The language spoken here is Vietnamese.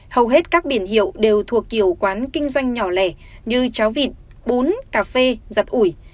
hầu hết các biển hiệu đều thuộc kiểu quán kinh doanh nhỏ lẻ như cháo vịt bún cà phê giặt ủi